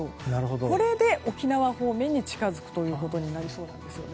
これで沖縄方面に近づくことになりそうなんです。